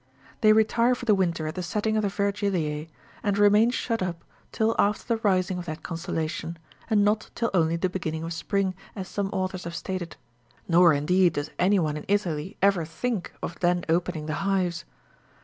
They retire for the winter at the setting of the Vergilise, and remain shut up till after the rising of that constellation, and not till only the beginning of spring, as some authors have stated ; nor, in deed, does any one in Italy ever think of then opening the hives.